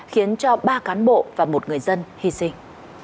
khiến cho ba cán bộ và một người dân hy sinh